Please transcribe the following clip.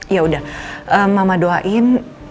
ya udah mama doain